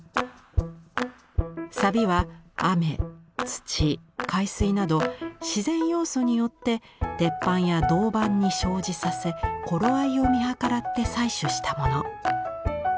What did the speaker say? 錆は雨土海水など自然要素によって鉄板や銅板に生じさせ頃合いを見計らって採取したもの。